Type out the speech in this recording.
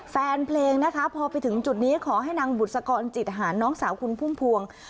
แฟนเพลงนะคะพอไปถึงจุดนี้ขอให้นางบุษกรจิตหารน้องสาวคุณพุ่มพวง